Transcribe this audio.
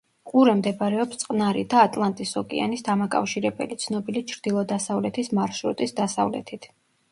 ყურე მდებარეობს წყნარი და ატლანტის ოკეანის დამაკავშირებელი, ცნობილი ჩრდილო-დასავლეთის მარშრუტის დასავლეთით.